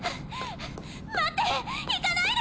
待って行かないで！